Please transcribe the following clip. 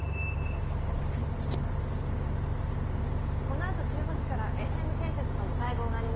この後１５時からエフエム建設との会合があります。